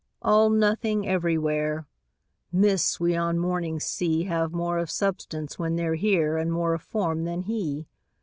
All nothing everywhere: Mists we on mornings see Have more of substance when they're here And more of form than he.